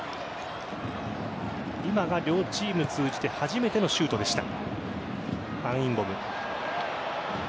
今が両チーム通じて初めてのシュートでした。